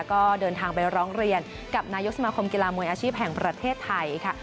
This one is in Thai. ก็เดินทางไปร้องเรียนกับนายกสมาคมกีฬามวยอาชีพแห่งประเทศไทยค่ะ